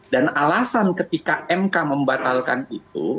dan alasan ketika mk membatalkan itu